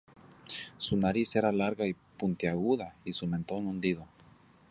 Su nariz era larga y puntiaguda y su mentón hundido.